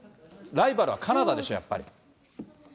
ライバルはカナダでしょ、やっぱり。